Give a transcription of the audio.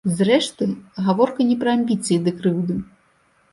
Зрэшты, гаворка не пра амбіцыі ды крыўды.